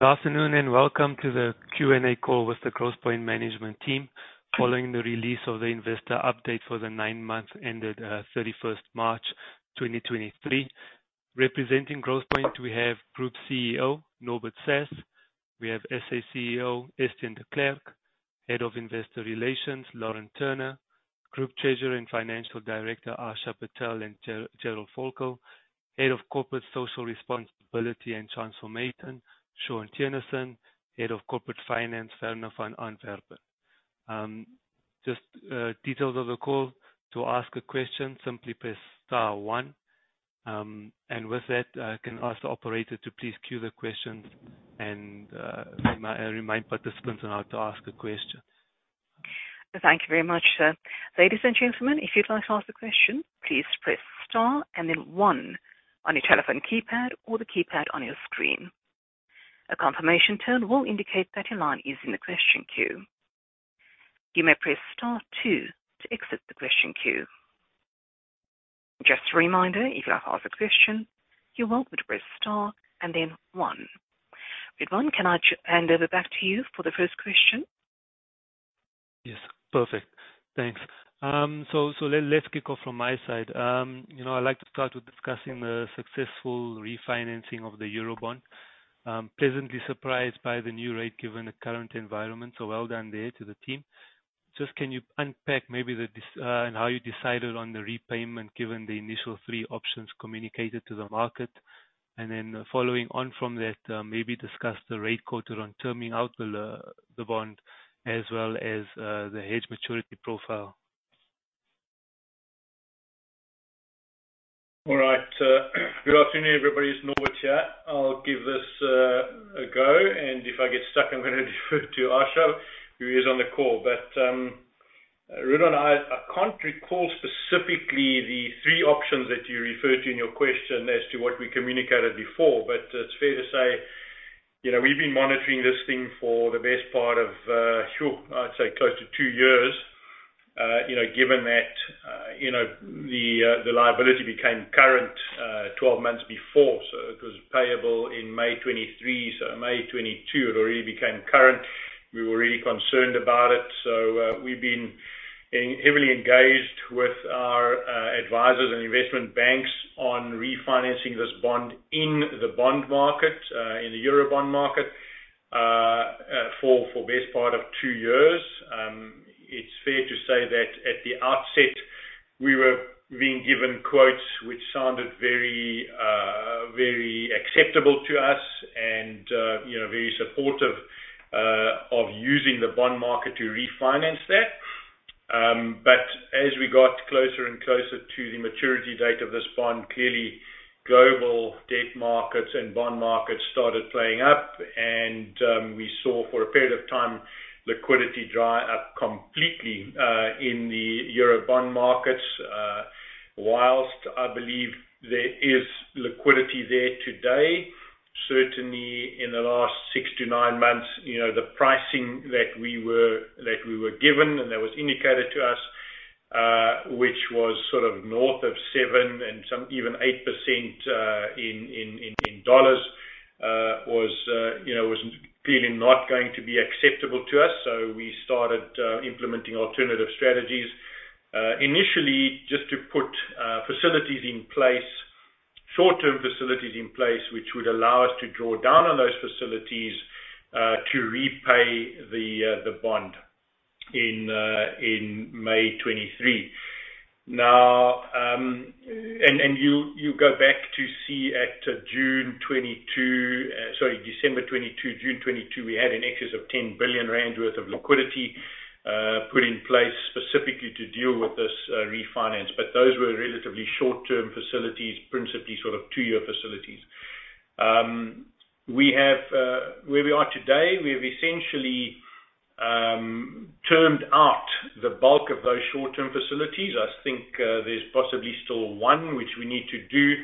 Good afternoon, welcome to the Q&A call with the Growthpoint management team, following the release of the investor update for the 9 months ended 31st March 2023. Representing Growthpoint, we have Group CEO, Norbert Sasse. We have SA CEO, Estienne de Klerk; Head of Investor Relations, Lauren Turner; Group Treasurer and Financial Director, Aasha Patel and Gerald Völkel; Head of Corporate Social Responsibility and Transformation, Shawn Theunissen; Head of Corporate Finance, Werner van Antwerpen. Details of the call: to ask a question, simply press star one. With that, I can ask the operator to please queue the questions and remind participants on how to ask a question. Thank you very much, sir. Ladies and gentlemen, if you'd like to ask a question, please press star and then one on your telephone keypad or the keypad on your screen. A confirmation tone will indicate that your line is in the question queue. You may press star two to exit the question queue. Just a reminder, if you'd like to ask a question, you're welcome to press star and then one. Ridwaan, can I hand over back to you for the first question? Yes, perfect. Thanks. Let's kick off from my side. You know, I'd like to start with discussing the successful refinancing of the Eurobond. Pleasantly surprised by the new rate, given the current environment. Well done there to the team. Just, can you unpack maybe and how you decided on the repayment, given the initial three options communicated to the market? Following on from that, maybe discuss the rate quarter on terming out the bond as well as the hedge maturity profile. Good afternoon, everybody. It's Norbert here. I'll give this a go, if I get stuck, I'm gonna defer to Asha, who is on the call. Ridwaan, I can't recall specifically the three options that you referred to in your question as to what we communicated before. It's fair to say, you know, we've been monitoring this thing for the best part of, sure, I'd say close to 2 years. You know, given that, you know, the liability became current, 12 months before, it was payable in May 2023. May 2022, it already became current. We were really concerned about it, so we've been heavily engaged with our advisors and investment banks on refinancing this bond in the bond market in the Eurobond market for best part of two years. It's fair to say that at the outset, we were being given quotes which sounded very acceptable to us and, you know, very supportive of using the bond market to refinance that. But as we got closer and closer to the maturity date of this bond, clearly, global debt markets and bond markets started playing up, and we saw, for a period of time, liquidity dry up completely in the Eurobond markets. Whilst I believe there is liquidity there today, certainly in the last 6-9 months, you know, the pricing that we were given and that was indicated to us, which was sort of north of 7% and some even 8% in dollars, was, you know, was clearly not going to be acceptable to us. We started implementing alternative strategies, initially, just to put facilities in place, short-term facilities in place, which would allow us to draw down on those facilities to repay the bond in May 2023. You go back to see at June 2022, sorry, December 2022. June 22, we had an excess of 10 billion rand worth of liquidity put in place specifically to deal with this refinance, but those were relatively short-term facilities, principally sort of 2-year facilities. We have, where we are today, we have essentially termed out the bulk of those short-term facilities. I think there's possibly still one which we need to do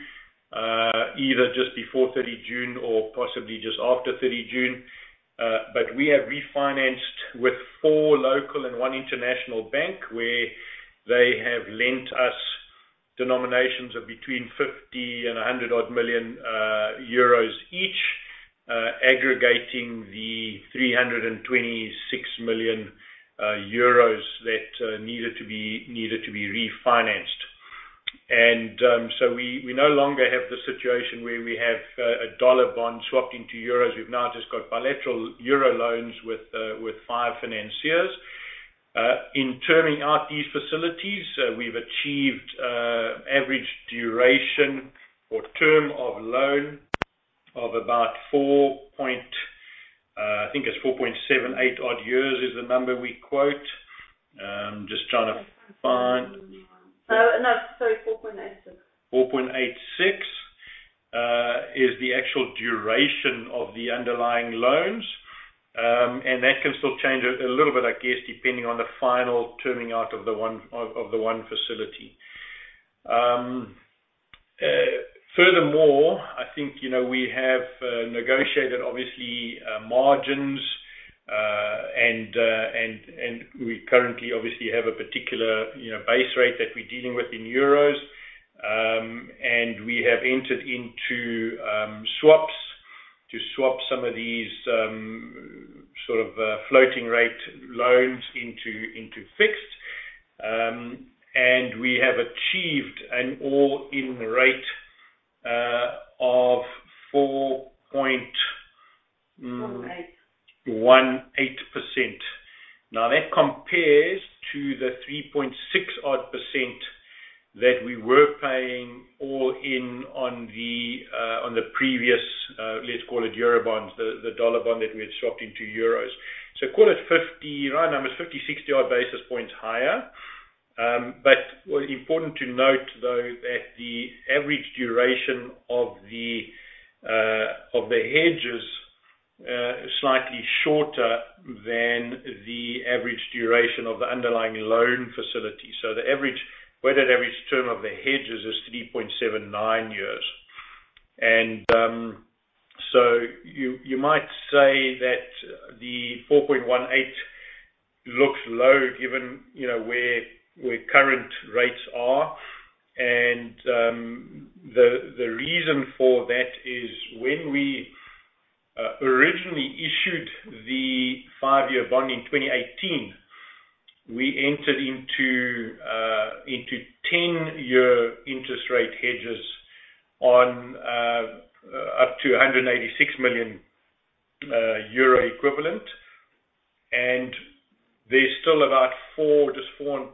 either just before 30 June or possibly just after 30 June. But we have refinanced with four local and one international bank, where they have lent us denominations of between 50 and 100 odd million each, aggregating the 326 million euros that needed to be refinanced. So we no longer have the situation where we have a dollar bond swapped into euros. We've now just got bilateral euro loans with five financiers. In terming out these facilities, we've achieved average duration or term of loan of about 4.78 odd years, is the number we quote. No, sorry, 4.86. 4.86 is the actual duration of the underlying loans. That can still change a little bit, I guess, depending on the final terming out of the one facility. Furthermore, I think, you know, we have negotiated obviously margins. We currently obviously have a particular, you know, base rate that we're dealing with in EUR. We have entered into swaps, to swap some of these sort of floating rate loans into fixed. We have achieved an all-in rate of 4 point. 18. 4.18%. That compares to the 3.6% odd that we were paying all in on the previous, let's call it Eurobonds, the dollar bond that we had swapped into euros. Call it 50, round numbers, 50- 60-odd basis points higher. What important to note, though, that the average duration of the hedges is slightly shorter than the average duration of the underlying loan facility. The average, weighted average term of the hedges is 3.79 years. You might say that the 4.18% looks low, given, you know, where current rates are. The reason for that is when we originally issued the 5-year bond in 2018, we entered into 10-year interest rate hedges up to EUR 186 million equivalent. There's still about four, just 4-4.5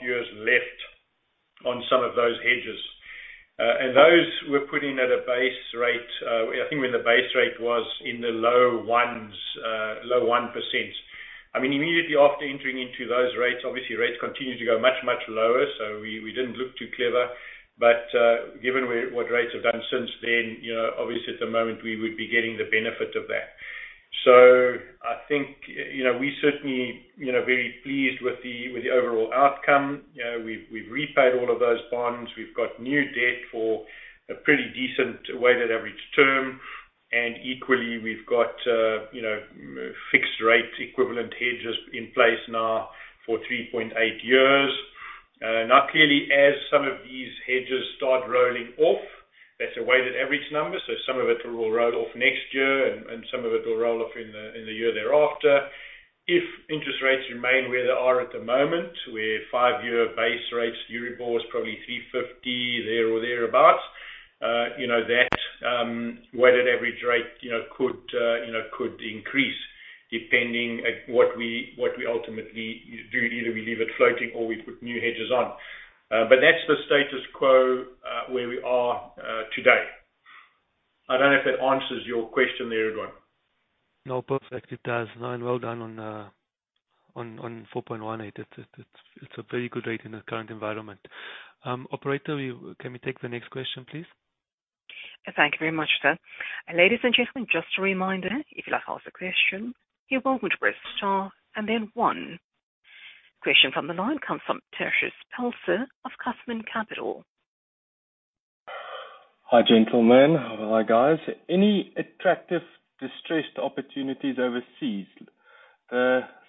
years left on some of those hedges. Those were put in at a base rate, I mean, when the base rate was in the low ones, low 1%. I mean, immediately after entering into those rates, obviously rates continued to go much, much lower, so we didn't look too clever. Given where, what rates have done since then, you know, obviously, at the moment, we would be getting the benefit of that. I think, you know, we certainly, you know, very pleased with the overall outcome. You know, we've repaid all of those bonds. We've got new debt for a pretty decent weighted average term, and equally, we've got, you know, fixed rate equivalent hedges in place now for 3.8 years. Now, clearly, as some of these hedges start rolling off, that's a weighted average number, so some of it will roll off next year, and some of it will roll off in the year thereafter. If interest rates remain where they are at the moment, where five-year base rates, Euribor is probably 3.50, there or there about, you know, that weighted average rate, you know, could, you know, could increase, depending at what we ultimately do. Either we leave it floating or we put new hedges on. That's the status quo where we are today. I don't know if that answers your question there, Ridwaan. No, perfect. It does. Well done on 4.18%. It's a very good rate in the current environment. Operator, can we take the next question, please? Thank you very much, sir. Ladies and gentlemen, just a reminder, if you'd like to ask a question, you're welcome to press star and then one. Question from the line comes from Tertius Pelser of Cuthman Capital. Hi, gentlemen. Hi, guys. Any attractive distressed opportunities overseas?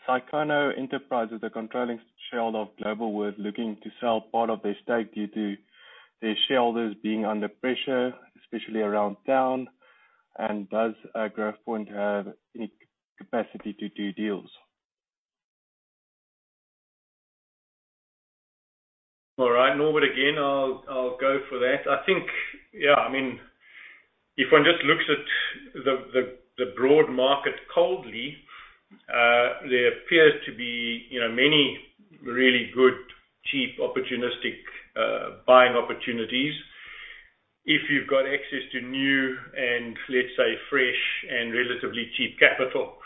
Zakiono Enterprises, the controlling shareholder of Globalworth, looking to sell part of their stake due to their shareholders being under pressure, especially Aroundtown. Does Growthpoint have any capacity to do deals? All right, Norbert, again, I'll go for that. I think, yeah, I mean, if one just looks at the broad market coldly, there appears to be, you know, many really good, cheap, opportunistic buying opportunities. If you've got access to new and let's say, fresh and relatively cheap capital,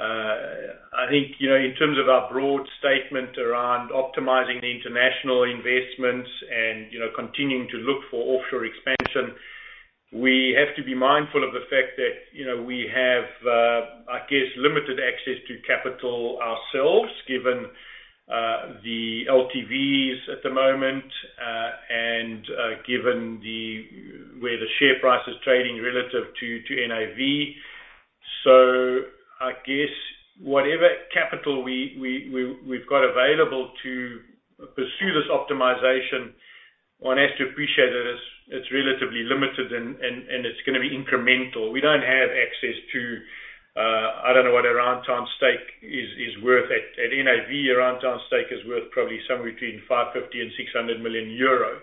I think, you know, in terms of our broad statement around optimizing the international investments and, you know, continuing to look for offshore expansion, we have to be mindful of the fact that, you know, we have, I guess, limited access to capital ourselves, given the LTVs at the moment, and given the, where the share price is trading relative to NAV. I guess whatever capital we've got available to pursue this optimization, one has to appreciate that it's relatively limited and it's gonna be incremental. We don't have access to. I don't know what Aroundtown stake is worth at NAV. Aroundtown stake is worth probably somewhere between 550 million-600 million euro.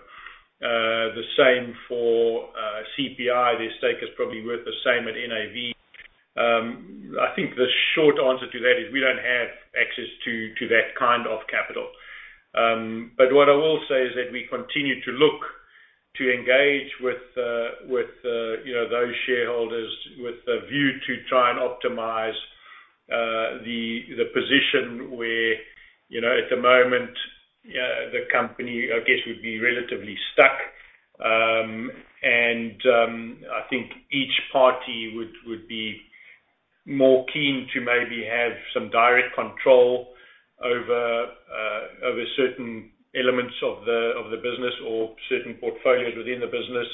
The same for CPI. Their stake is probably worth the same at NAV. I think the short answer to that is we don't have access to that kind of capital. What I will say is that we continue to look to engage with, you know, those shareholders, with the view to try and optimize the position where, you know, at the moment, the company, I guess, would be relatively stuck. I think each party would be more keen to maybe have some direct control over certain elements of the, of the business or certain portfolios within the business.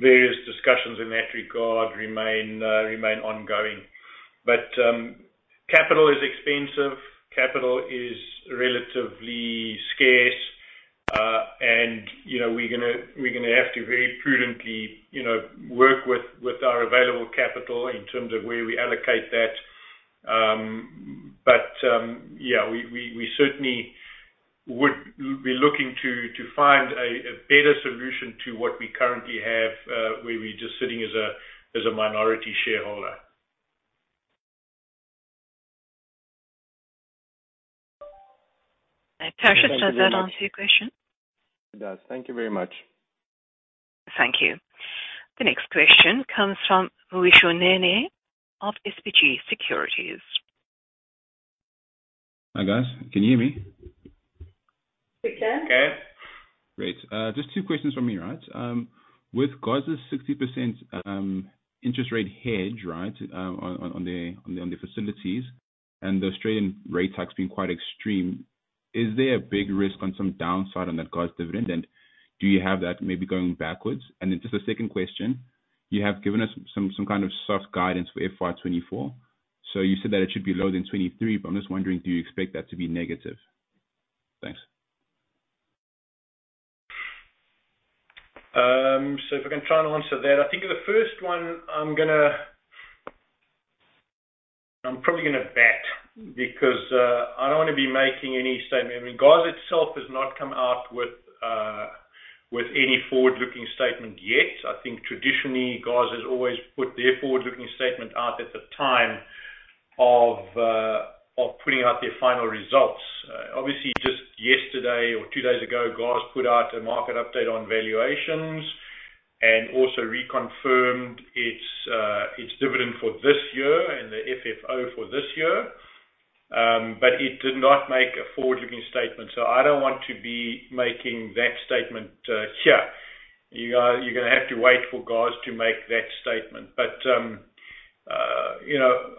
Various discussions in that regard remain ongoing. Capital is expensive. Capital is relatively scarce, and, you know, we're gonna have to very prudently, you know, work with our available capital in terms of where we allocate that. Yeah, we certainly would be looking to find a better solution to what we currently have, where we're just sitting as a minority shareholder. Hi, Tertius, does that answer your question? It does. Thank you very much. Thank you. The next question comes from Mweishö Nene of SBG Securities. Hi, guys. Can you hear me? We can. We can. Great. Just two questions from me, right? With GOZ's 60% interest rate hedge, right, on the facilities, and the Australian rate tax being quite extreme, is there a big risk on some downside on that GOZ dividend? Do you have that maybe going backwards? Just a second question, you have given us some kind of soft guidance for FY 2024. You said that it should be lower than 2023, but I'm just wondering, do you expect that to be negative? Thanks. If I can try and answer that, I think the first one I'm probably gonna bat because I don't want to be making any statement. I mean, GOZ itself has not come out with any forward-looking statement yet. I think traditionally, GOZ has always put their forward-looking statement out at the time of putting out their final results. Obviously, just yesterday or two days ago, GOZ put out a market update on valuations and also reconfirmed its dividend for this year and the FFO for this year. It did not make a forward-looking statement, so I don't want to be making that statement here. You're gonna have to wait for GOZ to make that statement. you know,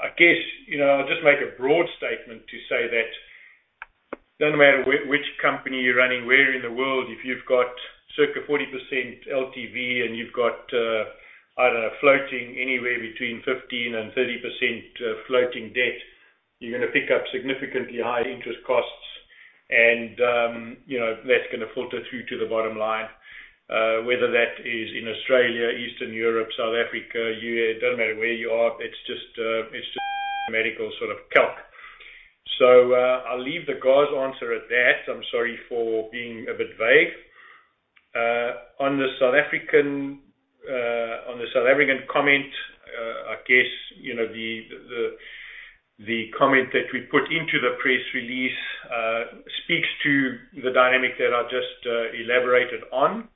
I guess, you know, I'll just make a broad statement to say that no matter which company you're running, where in the world, if you've got circa 40% LTV and you've got, I don't know, floating anywhere between 15% and 30%, floating debt, you're gonna pick up significantly higher interest costs. you know, that's gonna filter through to the bottom line. Whether that is in Australia, Eastern Europe, South Africa, U.S., it doesn't matter where you are, it's just, it's just medical sort of calc. I'll leave the GOZ answer at that. I'm sorry for being a bit vague. On the South African comment, I guess, you know, the, the comment that we put into the press release speaks to the dynamic that I just elaborated on.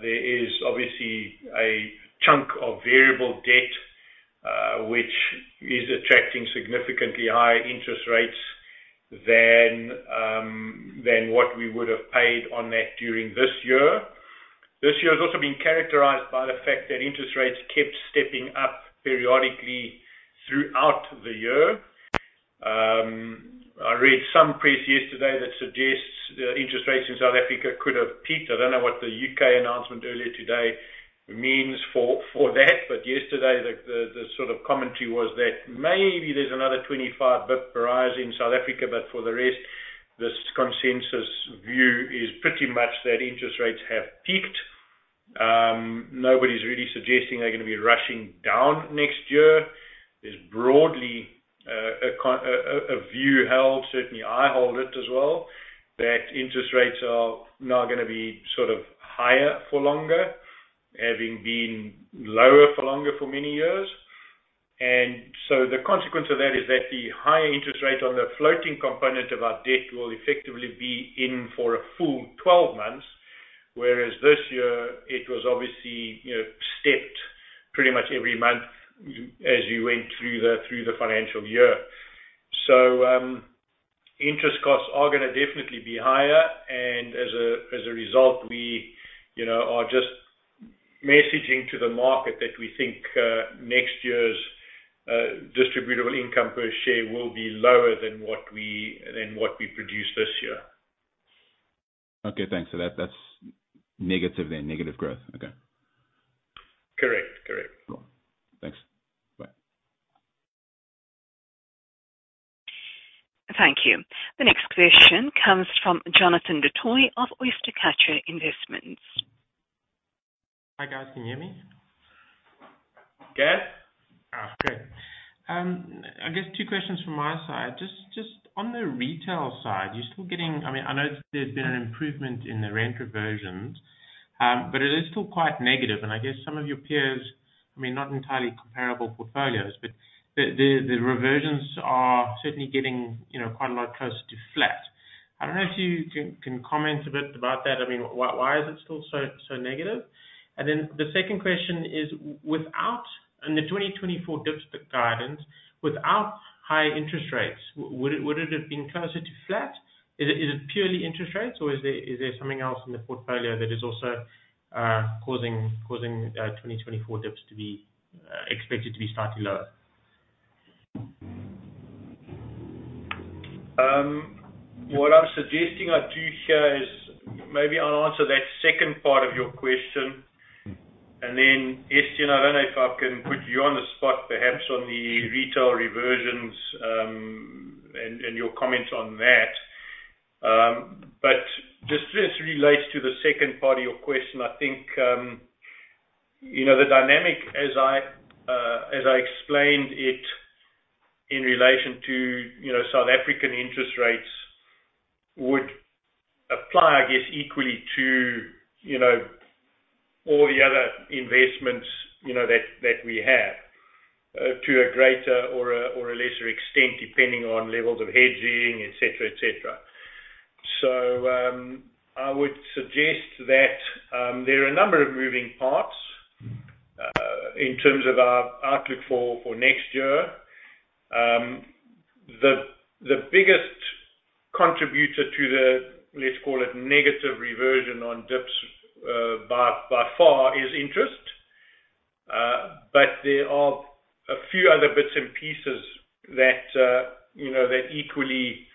There is obviously a chunk of variable debt, which is attracting significantly higher interest rates than what we would have paid on that during this year. This year has also been characterized by the fact that interest rates kept stepping up periodically throughout the year. I read some press yesterday that suggests that interest rates in South Africa could have peaked. I don't know what the U.K. announcement earlier today means for that, but yesterday, the sort of commentary was that maybe there's another 25 bip rise in South Africa, but for the rest, this consensus view is pretty much that interest rates have peaked. Nobody's really suggesting they're gonna be rushing down next year. There's broadly a view held, certainly I hold it as well, that interest rates are now gonna be sort of higher for longer, having been lower for longer for many years. The consequence of that is that the higher interest rate on the floating component of our debt will effectively be in for a full 12 months, whereas this year it was obviously, you know, stepped pretty much every month as you went through the financial year. Interest costs are gonna definitely be higher, and as a result, we, you know, are just messaging to the market that we think, next year's, Distributable Income Per Share will be lower than what we produced this year. Okay, thanks. That's negative then, negative growth. Okay. Correct. Correct. Cool. Thanks. Bye. Thank you. The next question comes from Jonathan du Toit of OysterCatcher Investments. Hi, guys. Can you hear me? Yes. Good. I guess two questions from my side. Just on the retail side, you're still getting, I mean, I know there's been an improvement in the rent reversions, but it is still quite negative. I guess some of your peers, I mean, not entirely comparable portfolios, but the reversions are certainly getting, you know, quite a lot closer to flat. I don't know if you can comment a bit about that. I mean, why is it still so negative? Then the second question is, on the 2024 DIPS guidance, without high interest rates, would it have been closer to flat? Is it purely interest rates or is there something else in the portfolio that is also causing 2024 DIPS to be expected to be slightly lower? What I'm suggesting I do here is maybe I'll answer that second part of your question. Then, Estienne, and I don't know if I can put you on the spot, perhaps on the retail reversions, and your comments on that. This relates to the second part of your question. I think, you know, the dynamic, as I, as I explained it, in relation to, you know, South African interest rates, would apply, I guess, equally to, you know, all the other investments, you know, that we have, to a greater or a, or a lesser extent, depending on levels of hedging, et cetera, et cetera. I would suggest that, there are a number of moving parts- In terms of our outlook for next year. The biggest contributor to the, let's call it, negative reversion on DIPS, by far, is interest. There are a few other bits and pieces that, you know, that equally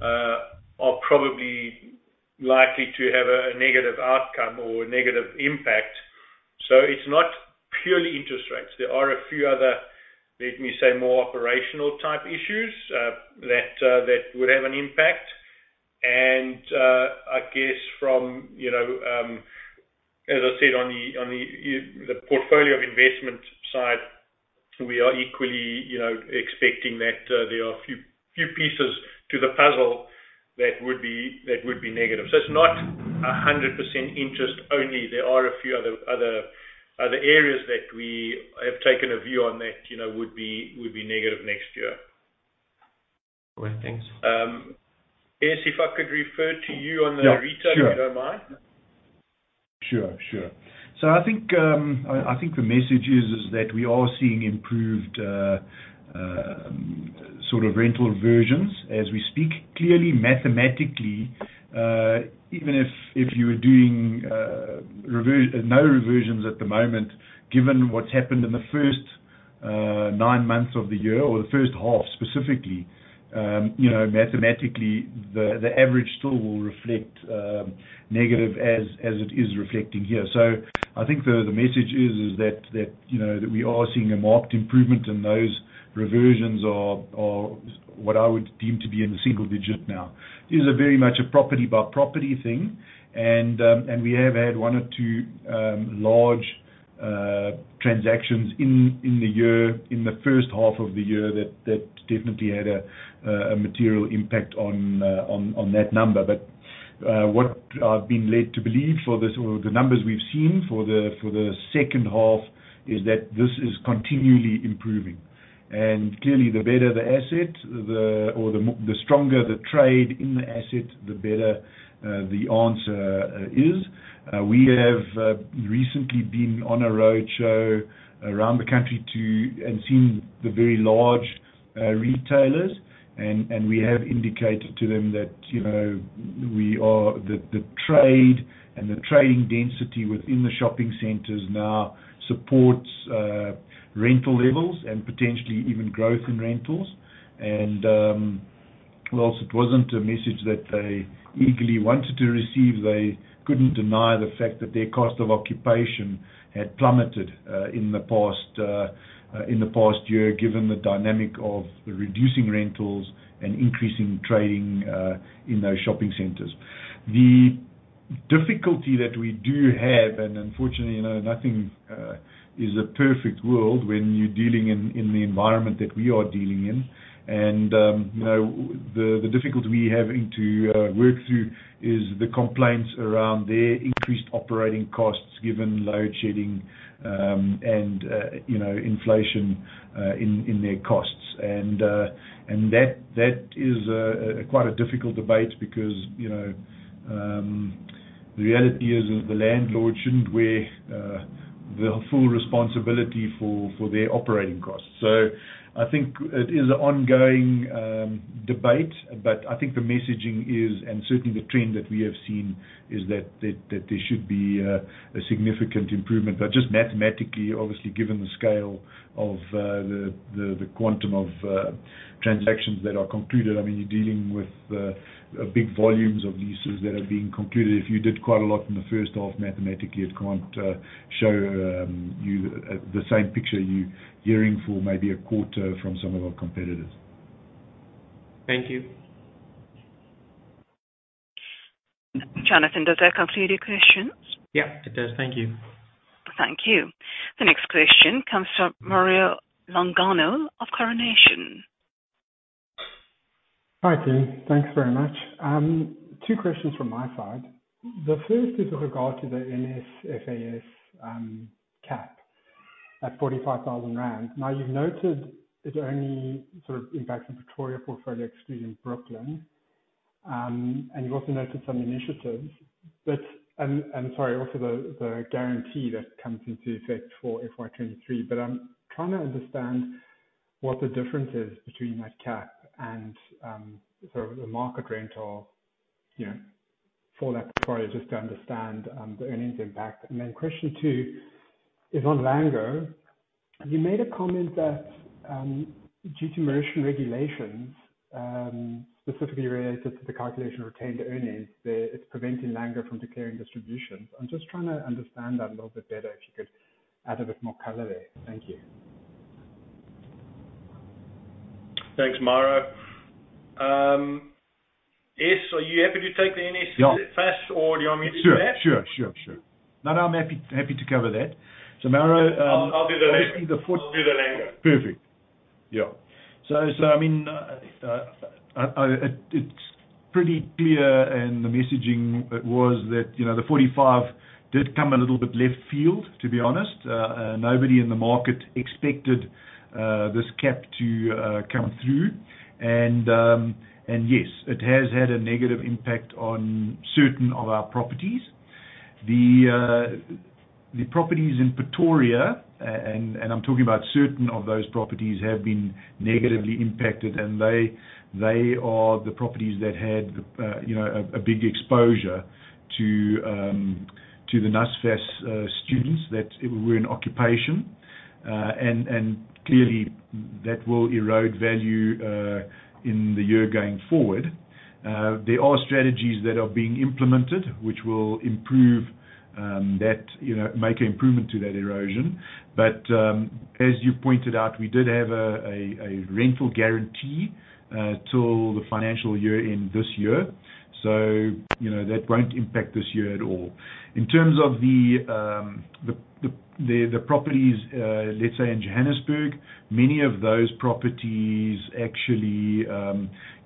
are probably likely to have a negative outcome or a negative impact. It's not purely interest rates. There are a few other, let me say, more operational type issues that would have an impact. I guess from, you know, as I said, on the portfolio of investment side, we are equally, you know, expecting that there are a few pieces to the puzzle that would be negative. It's not 100% interest only. There are a few other areas that we have taken a view on that, you know, would be negative next year. All right, thanks. Estienne, if I could refer to you on the. Yeah, sure. if you don't mind? Sure, sure. I think the message is that we are seeing improved sort of rental reversions as we speak. Clearly, mathematically, even if you were doing no reversions at the moment, given what's happened in the first nine months of the year or the first half, specifically, you know, mathematically, the average still will reflect negative as it is reflecting here. I think the message is that, you know, that we are seeing a marked improvement, and those reversions are what I would deem to be in the single digit now. These are very much a property-by-property thing, and we have had one or two large transactions in the year, in the first half of the year, that definitely had a material impact on that number. What I've been led to believe for this or the numbers we've seen for the second half, is that this is continually improving. Clearly, the better the asset, or the stronger the trade in the asset, the better the answer is. We have recently been on a roadshow around the country to and seen the very large retailers. We have indicated to them that, you know, we are, the trade and the trading density within the shopping centers now supports rental levels and potentially even growth in rentals. Whilst it wasn't a message that they eagerly wanted to receive, they couldn't deny the fact that their cost of occupation had plummeted in the past year, given the dynamic of the reducing rentals and increasing trading in those shopping centers. The difficulty that we do have, and unfortunately, you know, nothing is a perfect world when you're dealing in the environment that we are dealing in. You know, the difficulty we have into work through is the complaints around their increased operating costs, given load shedding, and, you know, inflation in their costs. That is quite a difficult debate because, you know, the reality is the landlord shouldn't bear the full responsibility for their operating costs. I think it is an ongoing debate, but I think the messaging is, and certainly the trend that we have seen, is that should be a significant improvement. Just mathematically, obviously, given the scale of the quantum of transactions that are concluded, I mean, you're dealing with big volumes of leases that are being concluded. If you did quite a lot in the first half, mathematically, it can't show you the same picture you're hearing for maybe a quarter from some of our competitors. Thank you. Jonathan, does that complete your questions? Yeah, it does. Thank you. Thank you. The next question comes from Mauro Longano of Coronation. Hi, team. Thanks very much. Two questions from my side. The first is with regard to the NSFAS cap at 45,000 rand. You've noted it only sort of impacts the Pretoria portfolio, excluding Brooklyn. You've also noted some initiatives. I'm sorry, also the guarantee that comes into effect for FY 2023. I'm trying to understand what the difference is between that cap and sort of the market rental for that query, just to understand the earnings impact. Question two is on Lango. You made a comment that due to Mauritian regulations, specifically related to the calculation of retained earnings, that it's preventing Lango from declaring distributions. I'm just trying to understand that a little bit better, if you could add a bit more color there. Thank you. Thanks, Mauro.Es, are you happy to take the NSFAS-? Yeah. Do you want me to do that? Sure. No, I'm happy to cover that. Mauro. I'll do the Lango. Perfect. Yeah. I mean, it's pretty clear, the messaging was that, you know, the 45 did come a little bit left field, to be honest. Nobody in the market expected this cap to come through. Yes, it has had a negative impact on certain of our properties. The properties in Pretoria, and I'm talking about certain of those properties, have been negatively impacted, and they are the properties that had, you know, a big exposure to the NSFAS students that were in occupation. Clearly, that will erode value in the year going forward. There are strategies that are being implemented, which will improve, you know, make improvement to that erosion. As you pointed out, we did have a rental guarantee till the financial year end this year, so, you know, that won't impact this year at all. In terms of the properties, let's say in Johannesburg, many of those properties actually,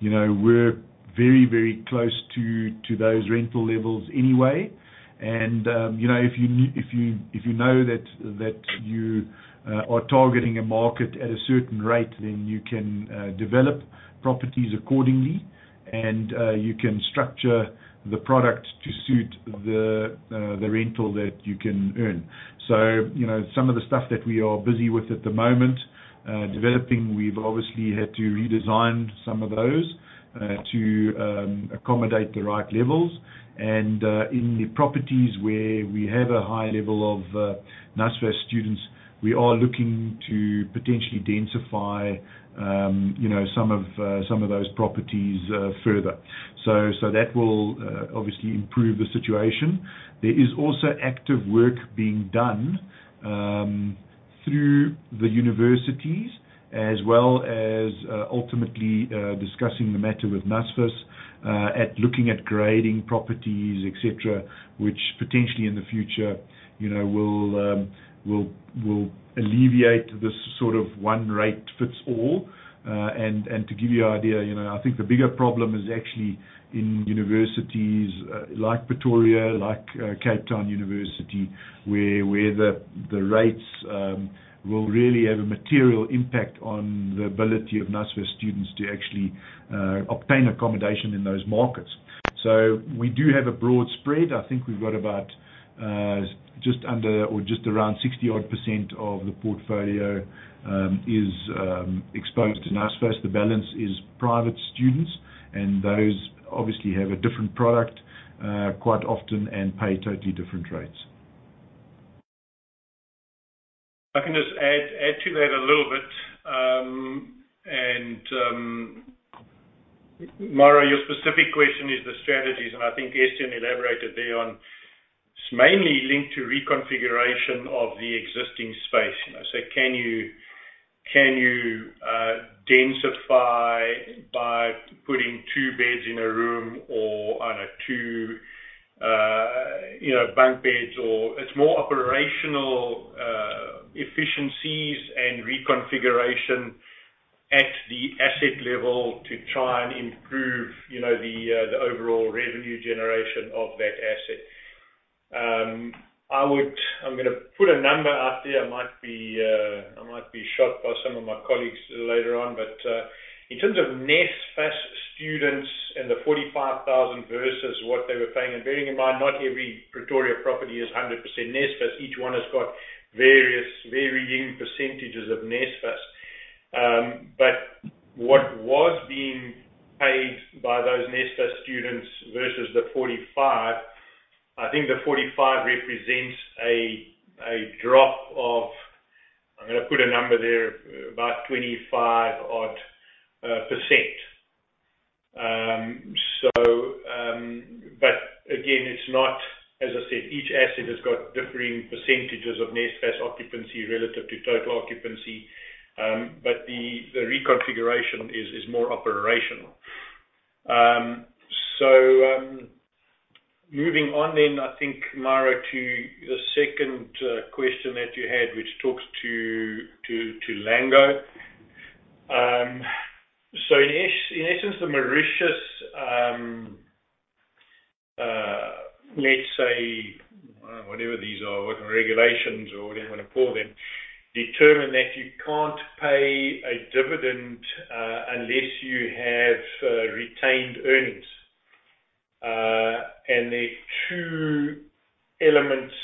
you know, were very close to those rental levels anyway. You know, if you know that you are targeting a market at a certain rate, then you can develop properties accordingly. You can structure the product to suit the rental that you can earn. You know, some of the stuff that we are busy with at the moment, developing, we've obviously had to redesign some of those to accommodate the right levels. In the properties where we have a high level of NSFAS students, we are looking to potentially densify, you know, some of those properties further. That will obviously improve the situation. There is also active work being done through the universities, as well as ultimately discussing the matter with NSFAS at looking at grading properties, et cetera, which potentially in the future, you know, will alleviate this sort of one-rate-fits-all. To give you an idea, you know, I think the bigger problem is actually in universities, like Pretoria, like Cape Town University, where the rates will really have a material impact on the ability of NSFAS students to actually obtain accommodation in those markets. We do have a broad spread. I think we've got about, just under or just around 60% of the portfolio is exposed to NSFAS. The balance is private students. Those obviously have a different product, quite often, and pay totally different rates. I can just add to that a little bit. Mauro, your specific question is the strategies, and I think Estienne elaborated there on. It's mainly linked to reconfiguration of the existing space. You know, can you densify by putting two beds in a room or, I don't know, two, you know, bunk beds, or it's more operational efficiencies and reconfiguration at the asset level to try and improve, you know, the overall revenue generation of that asset. I'm gonna put a number out there. I might be, I might be shot by some of my colleagues later on, but in terms of NSFAS students and the 45,000 versus what they were paying, and bearing in mind, not every Pretoria property is 100% NSFAS, each one has got various varying percentages of NSFAS. What was being paid by those NSFAS students versus the 45, I think the 45 represents a drop of, I'm gonna put a number there, about 25 odd %. Again, it's not, as I said, each asset has got differing percentages of NSFAS occupancy relative to total occupancy, but the reconfiguration is more operational. Moving on then, I think, Mauro, to the second question that you had, which talks to Lango. In essence, the Mauritius, let's say, whatever these are, what regulations or whatever you want to call them, determine that you can't pay a dividend unless you have retained earnings. There are two elements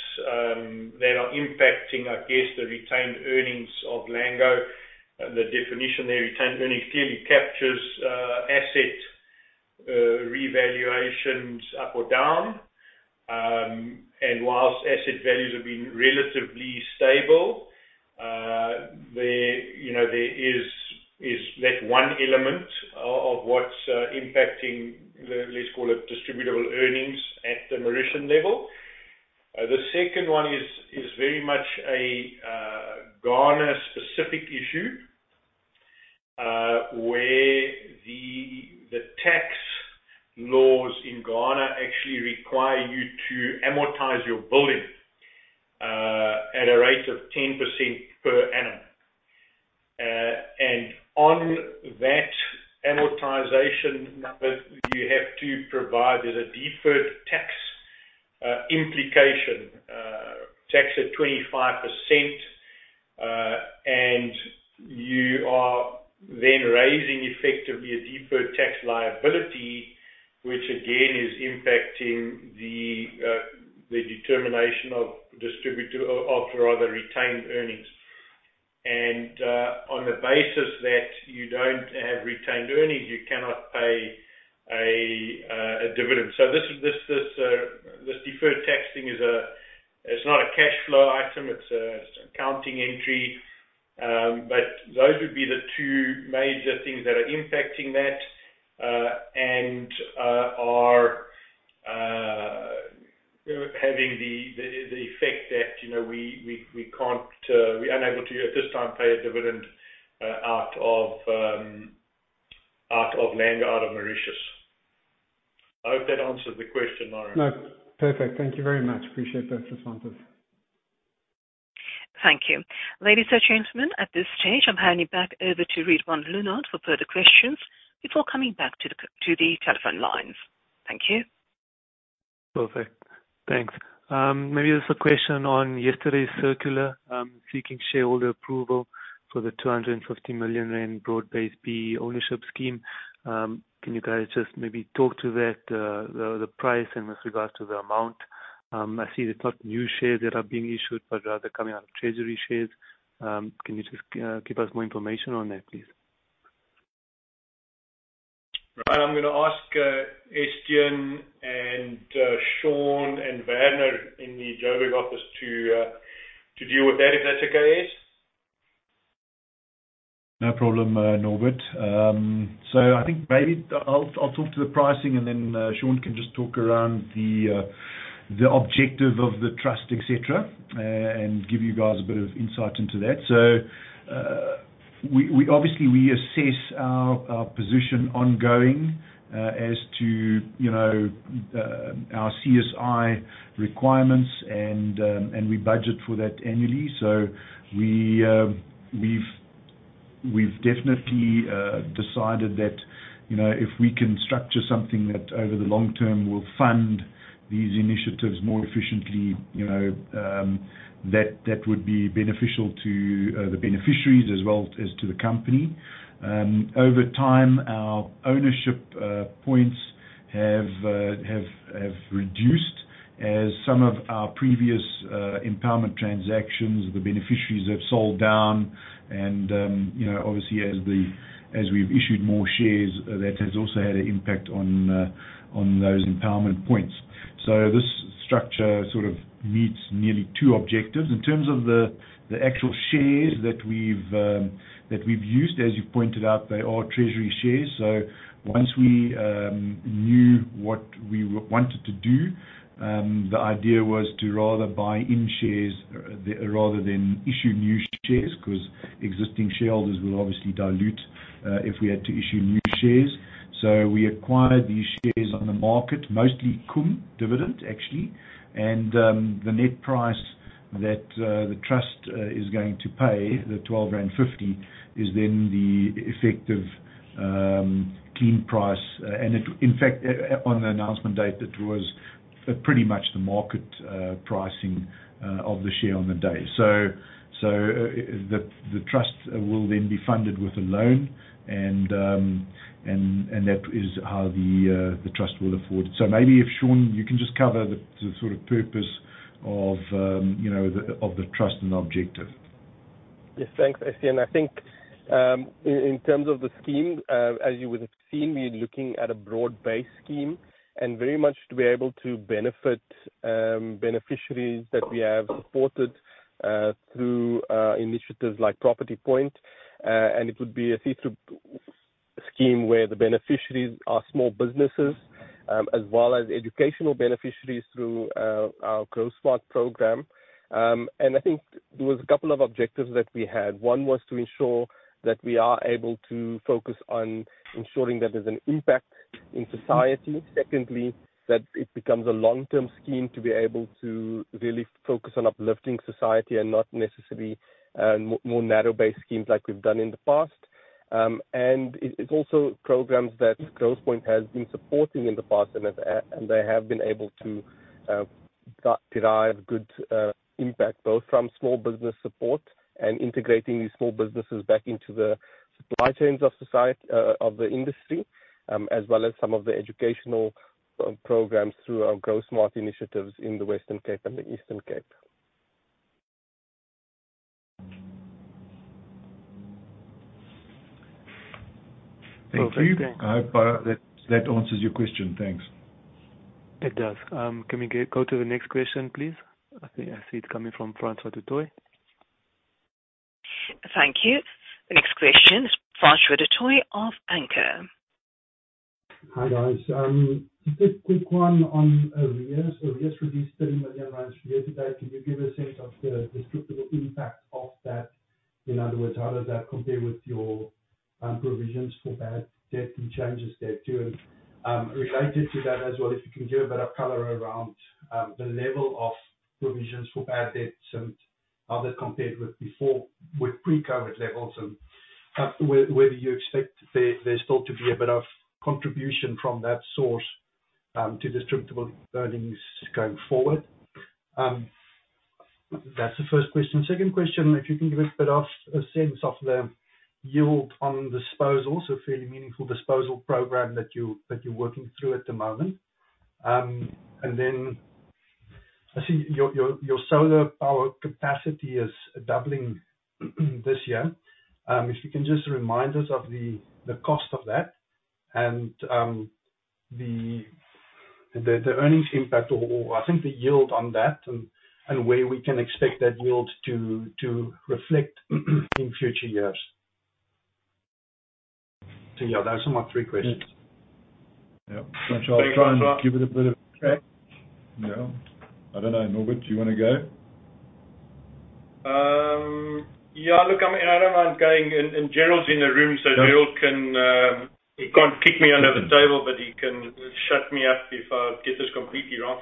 that are impacting, I guess, the retained earnings of Lango. The definition, there retained earnings clearly captures asset revaluations up or down. Whilst asset values have been relatively stable, there, you know, there is that one element of what's impacting the, let's call it distributable earnings at the Mauritian level. The second one is very much a Ghana-specific issue, where the tax laws in Ghana actually require you to amortize your buildings at a rate of 10% per annum. On that amortization number, you have to provide there's a deferred tax implication, taxed at 25%. And you are then raising effectively a deferred tax liability, which again, is impacting the determination of retained earnings. On the basis that you don't have retained earnings, you cannot pay a dividend. This is, this deferred taxing is not a cash flow item, it's a accounting entry. Those would be the two major things that and are having the effect that, you know, we can't, we're unable to, at this time, pay a dividend out of Lango, out of Mauritius. I hope that answered the question, Mauro. No. Perfect. Thank you very much. Appreciate that, [Norbert]. Thank you. Ladies and gentlemen, at this stage, I'm handing back over to Ridwaan Loonat for further questions before coming back to the telephone lines. Thank you. Perfect. Thanks. Maybe just a question on yesterday's circular, seeking shareholder approval for the 250 million rand in B-BBEE ownership scheme. Can you guys just maybe talk to that, the price and with regards to the amount? I see it's not new shares that are being issued, but rather coming out of treasury shares. Can you just give us more information on that, please? I'm gonna ask Estienne and Shawn and Werner in the Johannesburg office to deal with that, if that's okay, Es? No problem, Norbert. I think maybe I'll talk to the pricing and then Shawn can just talk around the objective of the trust, et cetera, and give you guys a bit of insight into that. We obviously we assess our position ongoing as to, you know, our CSI requirements, and we budget for that annually. We've definitely decided that, you know, if we can structure something that over the long term will fund these initiatives more efficiently, you know, that would be beneficial to the beneficiaries as well as to the company. Over time, our ownership points have reduced as some of our previous empowerment transactions, the beneficiaries have sold down. You know, obviously as we've issued more shares, that has also had an impact on those empowerment points. This structure sort of meets nearly two objectives. In terms of the actual shares that we've that we've used, as you pointed out, they are treasury shares. Once we knew what we wanted to do, the idea was to rather buy in shares, rather than issue new shares, 'cause existing shareholders will obviously dilute if we had to issue new shares. We acquired these shares on the market, mostly cum dividend, actually. The net price that the trust is going to pay, the 12.50, is then the effective clean price. It... In fact, on the announcement date, it was pretty much the market pricing of the share on the day. The trust will then be funded with a loan, and that is how the trust will afford it. Maybe if, Shawn, you can just cover the sort of purpose of, you know, of the trust and objective. Yes. Thanks, Estienne. I think, in terms of the scheme, as you would have seen, we're looking at a broad-based scheme, and very much to be able to benefit, beneficiaries that we have supported, through initiatives like Property Point. It would be a see-through scheme where the beneficiaries are small businesses, as well as educational beneficiaries through our Growsmart program. I think there was a couple of objectives that we had. One was to ensure that we are able to focus on ensuring that there's an impact in society. Secondly, that it becomes a long-term scheme to be able to really focus on uplifting society and not necessarily, more narrow-based schemes like we've done in the past. It, it's also programs that Growthpoint has been supporting in the past. They have been able to derive good impact, both from small business support and integrating these small businesses back into the supply chains of society, of the industry, as well as some of the educational programs through our Growsmart initiatives in the Western Cape and the Eastern Cape. Thank you. I hope that answers your question. Thanks. It does. Can we go to the next question, please? I think I see it coming from Francois du Toit. Thank you. The next question is Francois du Toit of Anchor. Hi, guys. Just a quick one on arrears. Arrears released 30 million rand yesterday. Can you give a sense of the distributable impact of that? In other words, how does that compare with your provisions for bad debt and changes there, too? Related to that as well, if you can give a bit of color around the level of provisions for bad debts and how that compared with before, with pre-Covid levels, and whether you expect there's thought to be a bit of contribution from that source to distributable earnings going forward. That's the first question. Second question, if you can give a bit of a sense of the yield on disposals, a fairly meaningful disposal program that you're working through at the moment. I see your solar power capacity is doubling this year. If you can just remind us of the cost of that and, the earnings impact or I think the yield on that and where we can expect that yield to reflect in future years. Yeah, those are my three questions. Yeah. Francois, I'll try and give it a bit of track. Yeah. I don't know. Norbert, do you wanna go? I mean, I don't mind going, and Gerald's in the room, so Gerald can, he can't kick me under the table, but he can shut me up if I get this completely wrong.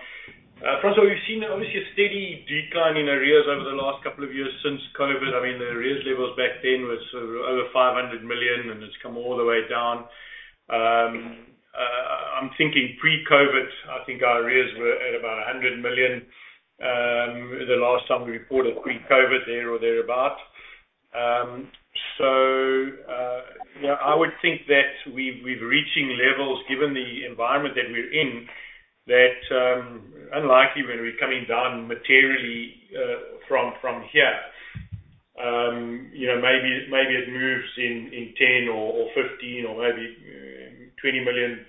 Francois, we've seen obviously a steady decline in arrears over the last couple of years since COVID. The arrears levels back then was over 500 million, and it's come all the way down. I'm thinking pre-COVID, I think our arrears were at about 100 million the last time we reported pre-COVID there or thereabout. I would think that we've reaching levels, given the environment that we're in, that unlikely we're coming down materially from here. You know, maybe it moves in 10 million or 15 million or maybe 20 million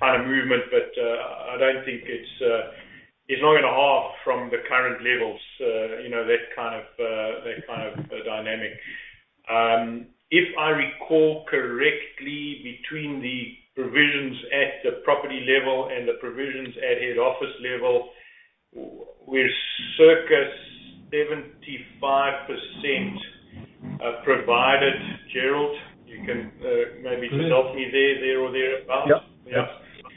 kind of movement, but I don't think it's not gonna half from the current levels, you know, that kind of dynamic. If I recall correctly, between the provisions at the property level and the provisions at head office level, we're circa 75% provided. Gerald, you can maybe just help me there or thereabout. Yeah. Yeah,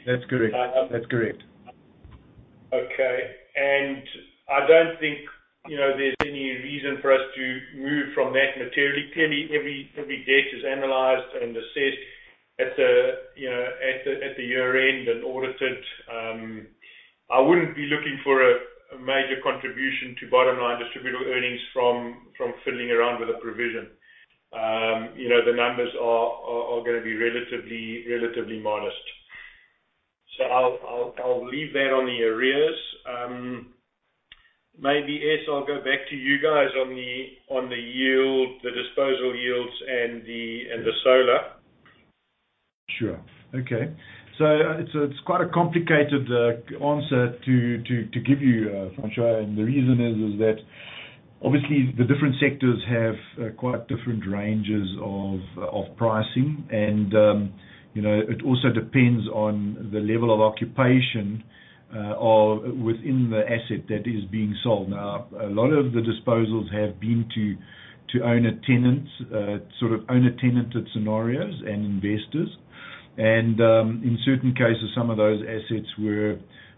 that's correct. That's correct. Okay. I don't think, you know, there's any reason for us to move from that materially. Clearly, every debt is analyzed and assessed at the year-end and audited. I wouldn't be looking for a major contribution to bottom-line distributable earnings from fiddling around with a provision. You know, the numbers are gonna be relatively modest. I'll leave that on the arrears. Maybe, Es, I'll go back to you guys on the yield, the disposal yields, and the solar. Sure. Okay. It's quite a complicated answer to give you, Francois, the reason is that obviously the different sectors have quite different ranges of pricing. You know, it also depends on the level of occupation of within the asset that is being sold. Now, a lot of the disposals have been to owner-tenants, sort of owner-tenanted scenarios and investors. In certain cases, some of those assets were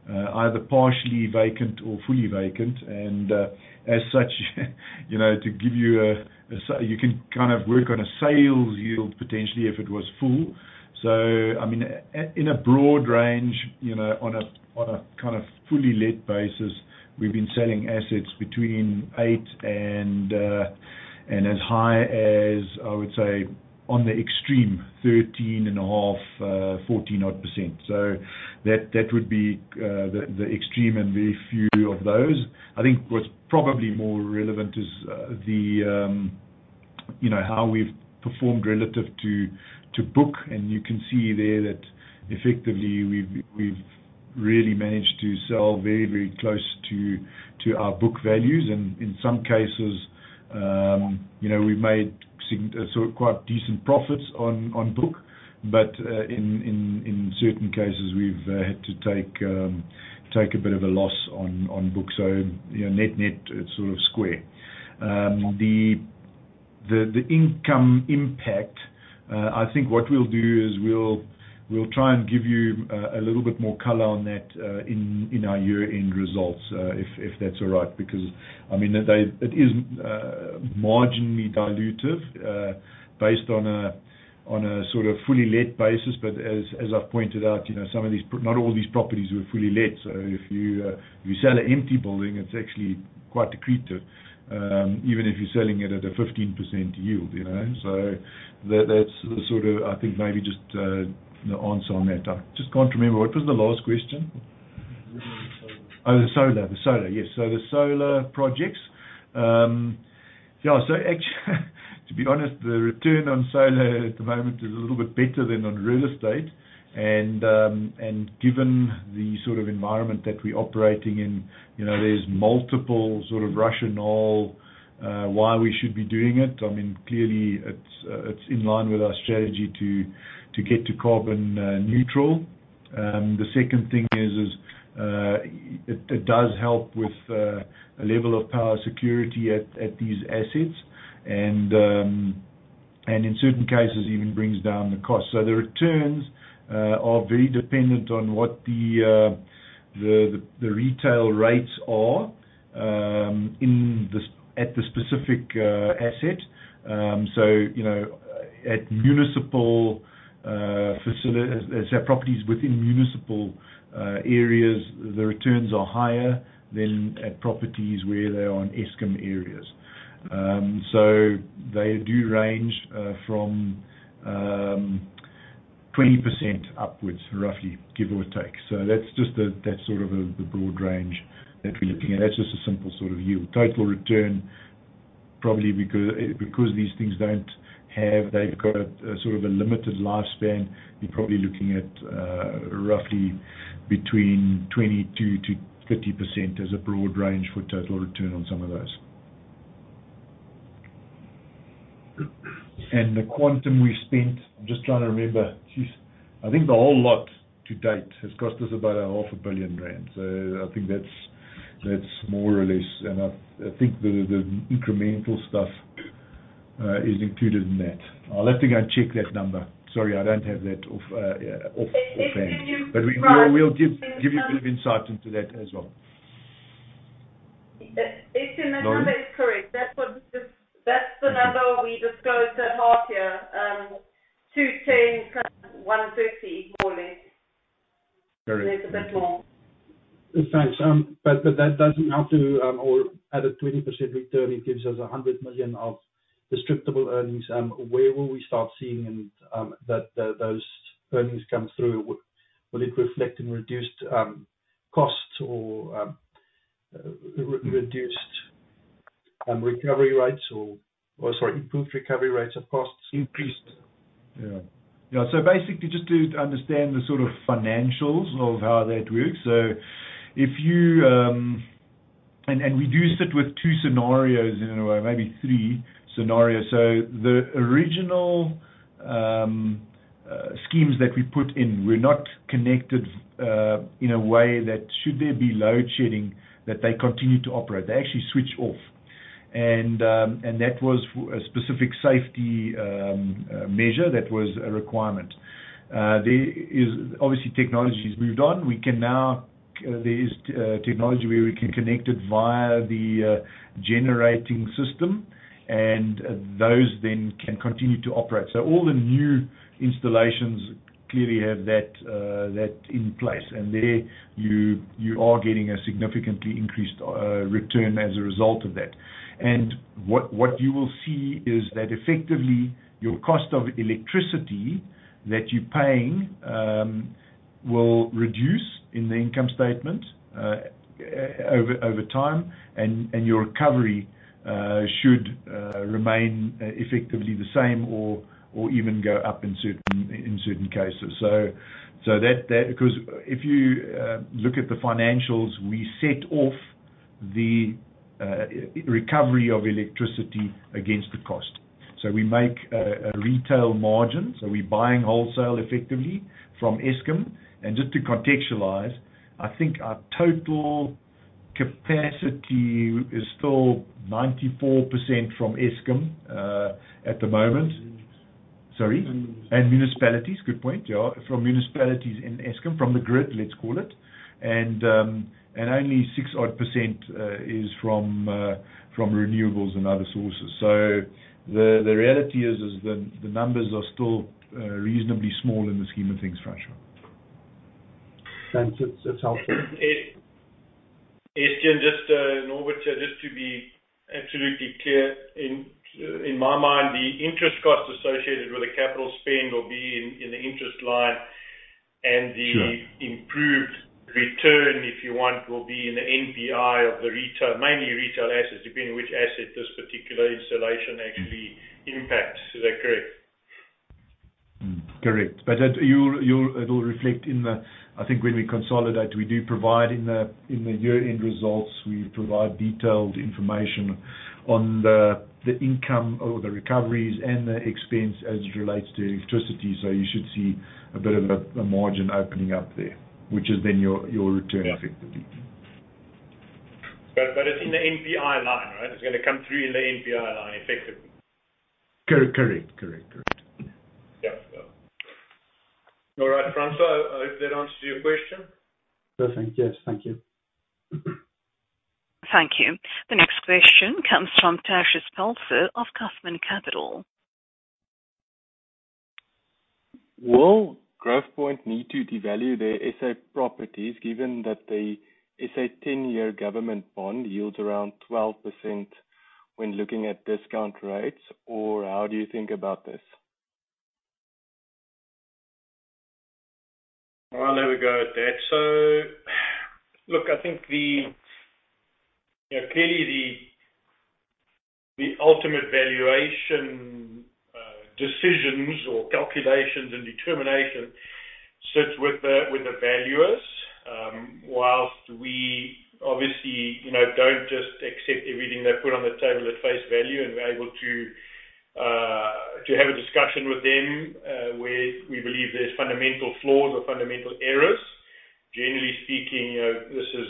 either partially vacant or fully vacant. As such, you know, to give you a you can kind of work on a sales yield, potentially, if it was full. I mean, in a broad range, you know, on a, on a kind of fully let basis, we've been selling assets between 8% and as high as, I would say, on the extreme, 13.5%-14% odd percent. That, that would be the extreme and very few of those. I think what's probably more relevant is the, you know, how we've performed relative to book, and you can see there that effectively we've really managed to sell very, very close to our book values. In some cases, you know, we've made quite decent profits on book. In certain cases, we've had to take a bit of a loss on book. You know, net, it's sort of square. I think what we'll try and give you a little bit more color on that in our year-end results if that's all right, because, I mean, it is marginally dilutive based on a sort of fully let basis. As I've pointed out, you know, not all these properties were fully let. If you sell an empty building, it's actually quite accretive even if you're selling it at a 15% yield, you know? That's the sort of... I think maybe just the answer on that. I just can't remember. What was the last question? Solar. The solar. The solar, yes. The solar projects. Yeah, to be honest, the return on solar at the moment is a little bit better than on real estate. Given the sort of environment that we're operating in, you know, there's multiple sort of rationale why we should be doing it. I mean, clearly, it's in line with our strategy to get to carbon neutral. The second thing is, it does help with a level of power security at these assets, and in certain cases, even brings down the cost. The returns are very dependent on what the retail rates are at the specific asset. You know, at municipal properties within municipal areas, the returns are higher than at properties where they are on Eskom areas. They do range from 20% upwards, roughly, give or take. That's sort of the broad range that we're looking at. That's just a simple sort of yield. Total return, probably because these things they've got a sort of a limited lifespan, you're probably looking at roughly between 22%-50% as a broad range for total return on some of those. The quantum we spent, I'm just trying to remember. Geez! I think the whole lot to date has cost us about 500 million rand. I think that's more or less, I think the incremental stuff is included in that. I'll have to go and check that number. Sorry, I don't have that offhand. Can you provide- We'll give you a bit of insight into that as well. Estienne, that number is correct. Sorry. That's what the, that's the number we disclosed at half year, 2.10 plus 1.50, more or less. Very good. It's a bit more. Thanks. That doesn't have to, or at a 20% return, it gives us 100 million of distributable earnings. Where will we start seeing that those earnings come through? Will it reflect in reduced costs or reduced recovery rates or sorry, improved recovery rates of costs increased? Yeah. Yeah, basically, just to understand the sort of financials of how that works. We do sit with two scenarios in a way, maybe three scenarios. The original schemes that we put in were not connected in a way that should there be load shedding, that they continue to operate. They actually switch off. That was a specific safety measure that was a requirement. There is, obviously, technology has moved on. We can now. There is technology where we can connect it via the generating system, and those then can continue to operate. All the new installations clearly have that in place, and there you are getting a significantly increased return as a result of that. What you will see is that effectively, your cost of electricity that you're paying, will reduce in the income statement over time, and your recovery should remain effectively the same or even go up in certain cases. Because if you look at the financials, we set off the recovery of electricity against the cost. We make a retail margin, so we're buying wholesale effectively from Eskom. Just to contextualize, I think our total capacity is still 94% from Eskom at the moment. Sorry? Municipalities. Municipalities, good point, yeah. From municipalities and Eskom, from the grid, let's call it. Only 6 odd % is from renewables and other sources. The reality is, the numbers are still reasonably small in the scheme of things, Francois. Thanks. It's helpful. Estienne, just [to be]. Just to be absolutely clear, in my mind, the interest costs associated with the capital spend will be in the interest line. Sure. The improved return, if you want, will be in the NPI of the retail, mainly retail assets, depending on which asset this particular installation actually impacts. Is that correct? Correct. You'll, it'll reflect I think when we consolidate, we do provide in the year-end results, we provide detailed information on the income or the recoveries and the expense as it relates to electricity. You should see a bit of a margin opening up there, which is then your return effectively. It's in the NPI line, right? It's gonna come through in the NPI line, effectively. Correct. Correct. Yeah. Yeah. All right, Francois, I hope that answers your question. Perfect. Yes. Thank you. Thank you. The next question comes from Tertius Pelser of Cuthman Capital. Will Growthpoint need to devalue their SA properties, given that the SA 10-year government bond yields around 12% when looking at discount rates, or how do you think about this? Well, there we go with that. Look, I think the, you know, clearly the ultimate valuation decisions or calculations and determination sits with the valuers. Whilst we obviously, you know, don't just accept everything they put on the table at face value, and we're able to have a discussion with them where we believe there's fundamental flaws or fundamental errors. Generally speaking, you know, this is,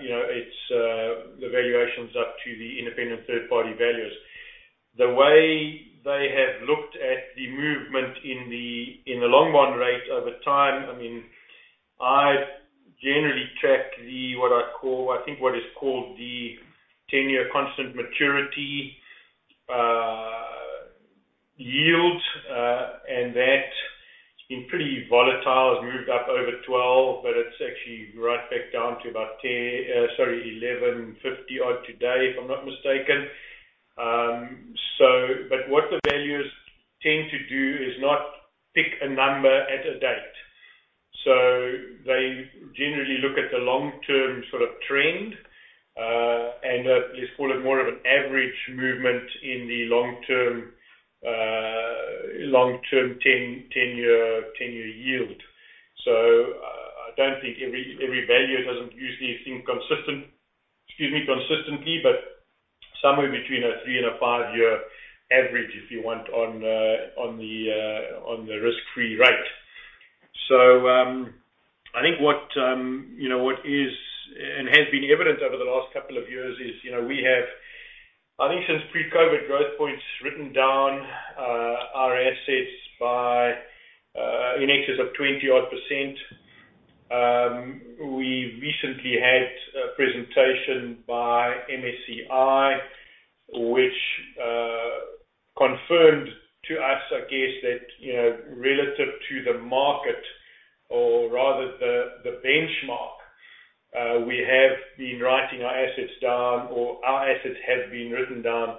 you know, it's the valuation's up to the independent third party valuers. The way they have looked at the movement in the long bond rate over time, I mean, I generally track the, what I call, I think what is called the ten-year constant maturity yield. That's been pretty volatile. It's moved up over 12, but it's actually right back down to about 10, sorry, 11.50-odd today, if I'm not mistaken. What the valuers tend to do is not pick a number at a date. They generally look at the long-term sort of trend and let's call it more of an average movement in the long-term ten-year yield. I don't think every valuer doesn't usually think consistent, excuse me, consistently, but somewhere between a 3- and a 5-year average, if you want, on the risk-free rate. I think what, you know, what is and has been evident over the last couple of years is, you know, we have I think since pre-COVID, Growthpoint's written down our assets by in excess of 20-odd percent. We recently had a presentation by MSCI, which confirmed to us, I guess, that, you know, relative to the market or rather the benchmark, we have been writing our assets down, or our assets have been written down,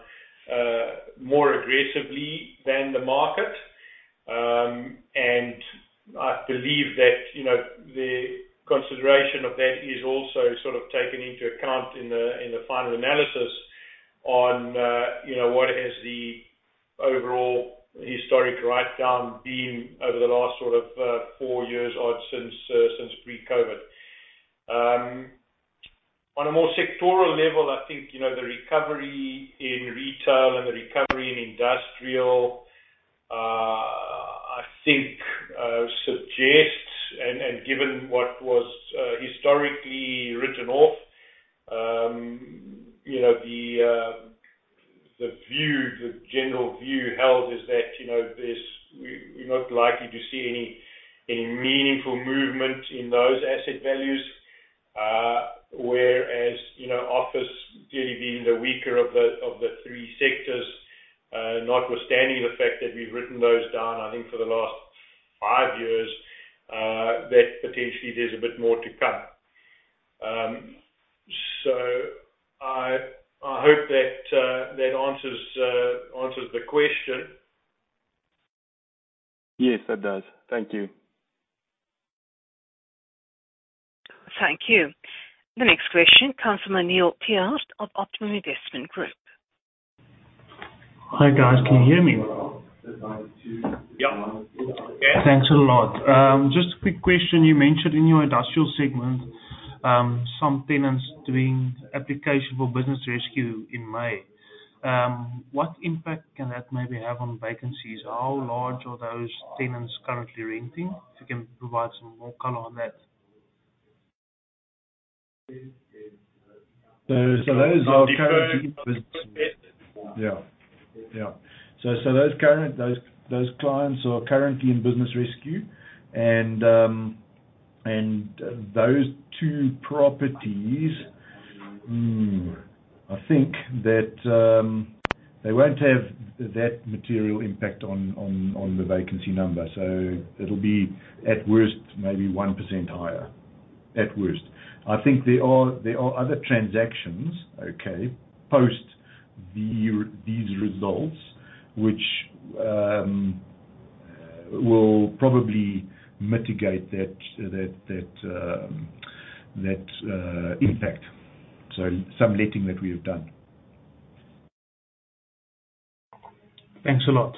more aggressively than the market. I believe that, you know, the consideration of that is also sort of taken into account in the final analysis on, you know, what has the overall historic write-down been over the last sort of, four years or since pre-COVID. On a more sectoral level, I think, you know, the recovery in retail and the recovery in industrial, I think, suggests, and, given what was, historically written off, you know, the view, the general view held is that, you know, there's, we're not likely to see any meaningful movement in those asset values. Whereas, you know, office generally being the weaker of the, of the three sectors, notwithstanding the fact that we've written those down, I think, for the last 5 years, that potentially there's a bit more to come. I hope that answers the question. Yes, that does. Thank you. Thank you. The next question comes from O'Neil Thiart of Optimum Investment Group. Hi, guys. Can you hear me? Yeah. Thanks a lot. Just a quick question. You mentioned in your industrial segment, some tenants doing application for business rescue in May. What impact can that maybe have on vacancies? How large are those tenants currently renting? If you can provide some more color on that. Those are currently... Yeah. Yeah. Those current clients are currently in business rescue, and those two properties, I think that they won't have that material impact on the vacancy number. It'll be, at worst, maybe 1% higher, at worst. I think there are other transactions, okay, post these results, which will probably mitigate that impact. Some letting that we have done. Thanks a lot.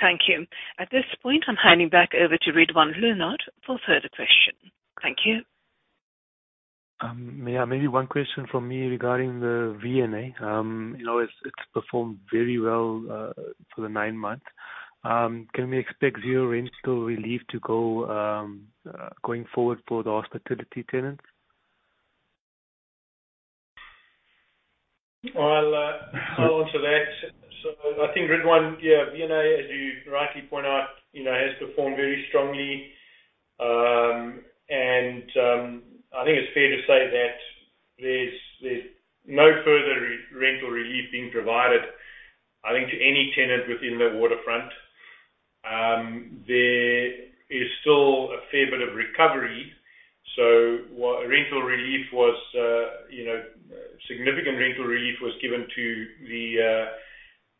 Thank you. At this point, I'm handing back over to Ridwaan Loonat for further questions. Thank you. Yeah, maybe one question from me regarding the V&A. You know, it's performed very well for the nine months. Can we expect zero rental relief going forward for the hospitality tenants? I'll answer that. I think, Ridwaan, yeah, V&A, as you rightly point out, you know, has performed very strongly. I think it's fair to say that there's no further rental relief being provided, I think, to any tenant within the Waterfront. There is still a fair bit of recovery, so what rental relief was, you know, significant rental relief was given to the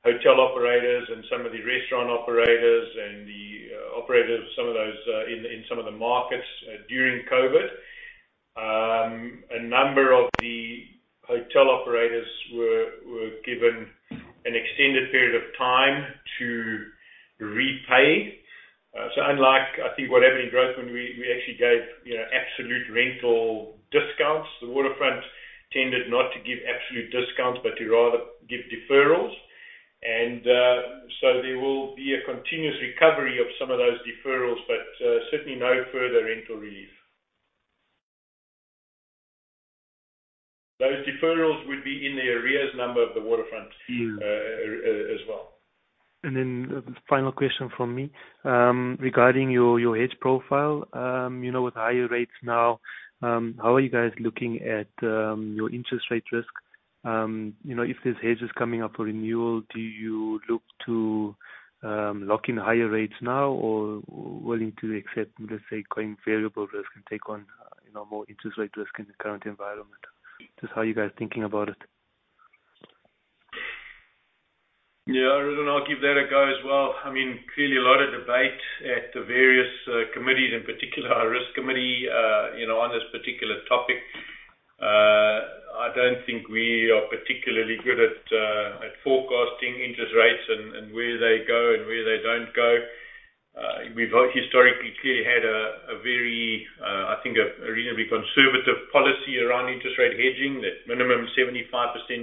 hotel operators and some of the restaurant operators and the operators of some of those in some of the markets during COVID. A number of the hotel operators were given an extended period of time to repay. Unlike, I think, what happened in COVID, we actually gave, you know, absolute rental discounts, the Waterfront tended not to give absolute discounts, but to rather give deferrals. There will be a continuous recovery of some of those deferrals, but certainly no further rental relief. Those deferrals would be in the arrears number of the Waterfront as well. The final question from me, regarding your hedge profile. You know, with higher rates now, how are you guys looking at, your interest rate risk? You know, if this hedge is coming up for renewal, do you look to, lock in higher rates now, or willing to accept, let's say, going variable risk and take on, you know, more interest rate risk in the current environment? Just how are you guys thinking about it? Ridwaan, I'll give that a go as well. I mean, clearly a lot of debate at the various committees, in particular our risk committee, you know, on this particular topic. I don't think we are particularly good at forecasting interest rates and where they go and where they don't go. We've historically clearly had a very, I think, a reasonably conservative policy around interest rate hedging, that minimum 75%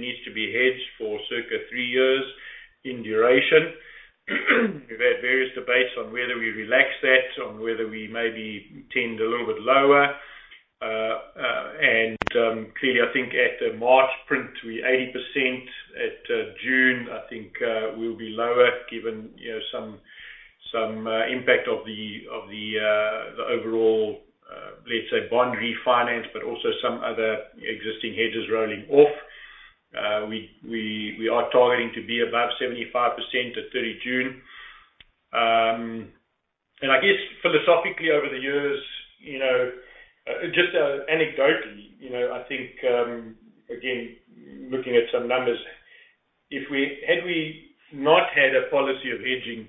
needs to be hedged for circa 3 years in duration. We've had various debates on whether we relax that, on whether we maybe tend a little bit lower. Clearly, I think at the March print, we 80%. At June, I think, we'll be lower, given, you know, some impact of the, of the overall, let's say, bond refinance, but also some other existing hedges rolling off. We are targeting to be above 75% at 30 June. I guess philosophically, over the years, you know, just anecdotally, you know, I think, again, looking at some numbers, had we not had a policy of hedging,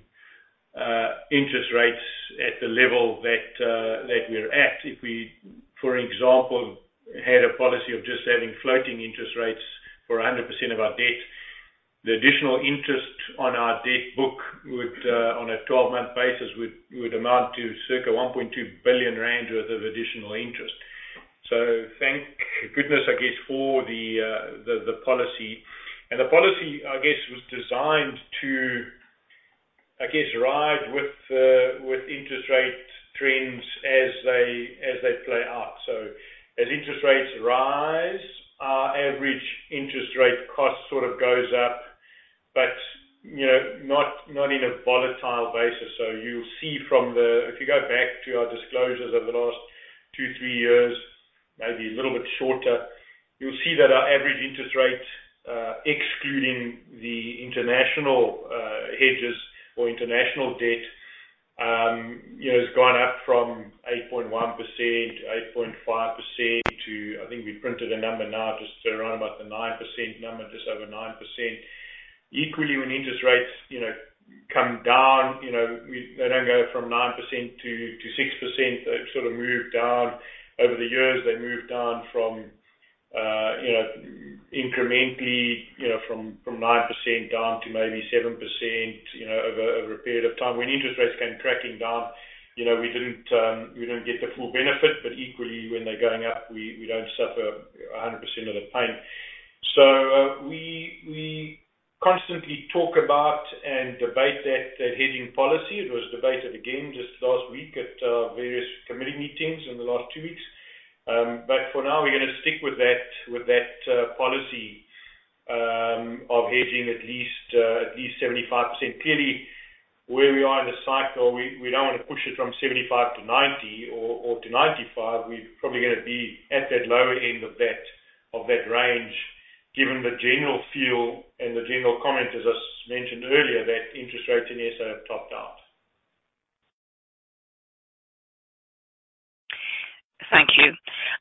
interest rates at the level that we're at, if we, for example, had a policy of just having floating interest rates for 100% of our debt, the additional interest on our debt book would, on a 12-month basis, would amount to circa 1.2 billion rand worth of additional interest. Thank goodness, I guess, for the policy. The policy, I guess, was designed to, I guess, ride with interest rate trends as they play out. As interest rates rise, our average interest rate cost sort of goes up, but you know, not in a volatile basis. You'll see from the... If you go back to our disclosures over the last two, three years, maybe a little bit shorter, you'll see that our average interest rate, excluding the international hedges or international debt, you know, has gone up from 8.1%, 8.5% to, I think we printed a number now, just around about the 9% number, just over 9%. Equally, when interest rates come down, they don't go from 9% to 6%. They sort of move down. Over the years, they moved down incrementally from 9% down to maybe 7% over a period of time. When interest rates came tracking down, we didn't get the full benefit, but equally, when they're going up, we don't suffer 100% of the pain. We constantly talk about and debate that hedging policy. It was debated again just last week at various committee meetings in the last two weeks. But for now, we're gonna stick with that policy of hedging at least 75%. Clearly, where we are in the cycle, we don't want to push it from 75%-90% or to 95%. We're probably gonna be at that lower end of that, of that range, given the general feel and the general comment, as I mentioned earlier, that interest rates in SA have topped out. Thank you.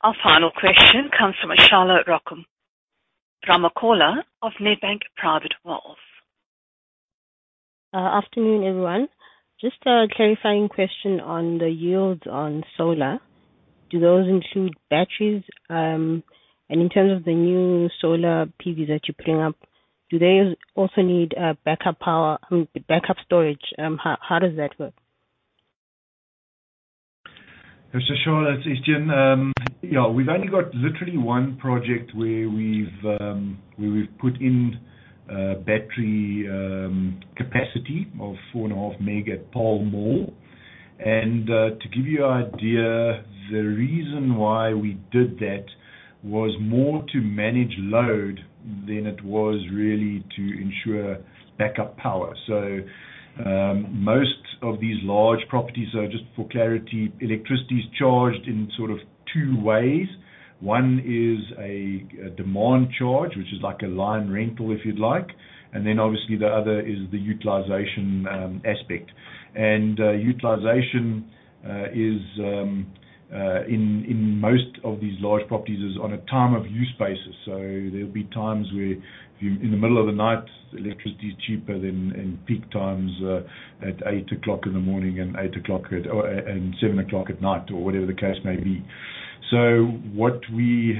Our final question comes from Shala Ramokolo of Nedbank Private Wealth. Afternoon, everyone. Just a clarifying question on the yields on solar. Do those include batteries? In terms of the new solar PV that you're putting up, do they also need a backup power, backup storage? How does that work? [Shala, it's Estienne]. Yeah, we've only got literally one project where we've put in battery capacity of 4.5 MW at Pall Mall. To give you an idea, the reason why we did that was more to manage load than it was really to ensure backup power. Most of these large properties are just for clarity, electricity is charged in sort of two ways. One is a demand charge, which is like a line rental, if you'd like, and then obviously the other is the utilization aspect. Utilization is in most of these large properties, is on a time of use basis. There'll be times where in the middle of the night, electricity is cheaper than in peak times, at 8:00 in the morning and 7:00 at night, or whatever the case may be. What we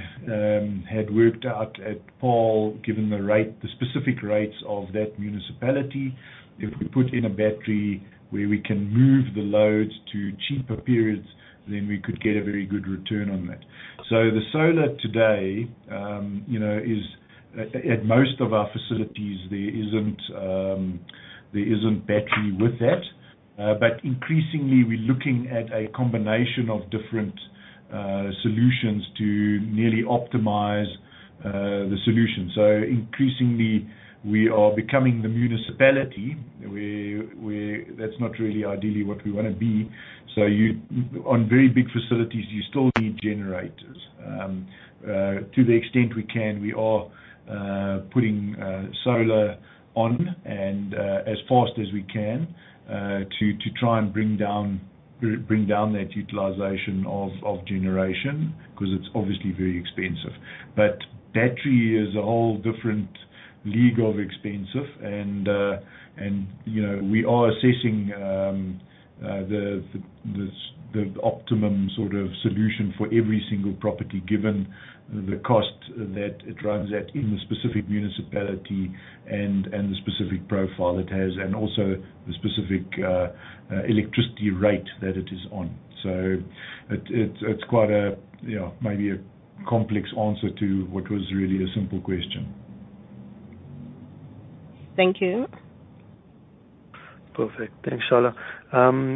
had worked out at Pall Mall, given the rate, the specific rates of that municipality, if we put in a battery where we can move the loads to cheaper periods, then we could get a very good return on that. The solar today, you know, is at most of our facilities, there isn't battery with that. But increasingly we're looking at a combination of different solutions to really optimize the solution. Increasingly, we are becoming the municipality. That's not really ideally what we wanna be. On very big facilities, you still need generators. To the extent we can, we are putting solar on, and as fast as we can, to try and bring down that utilization of generation, 'cause it's obviously very expensive. Battery is a whole different league of expensive and, you know, we are assessing the optimum sort of solution for every single property, given the cost that it runs at in the specific municipality and the specific profile it has, and also the specific electricity rate that it is on. It's quite a, you know, maybe a complex answer to what was really a simple question. Thank you. Perfect. Thanks, Shala.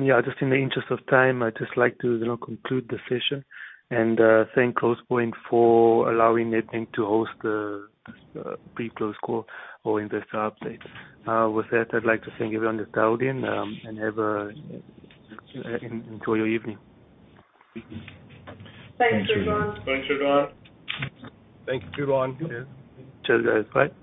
Yeah, just in the interest of time, I'd just like to, you know, conclude the session and thank Growthpoint for allowing Nedbank to host the pre-close call or investor update. I'd like to thank everyone that dialed in and enjoy your evening. Thanks, everyone. Thank you. Thanks, everyone. Thank you, everyone. Cheers, guys. Bye.